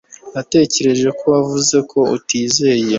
Natekereje ko wavuze ko utizeye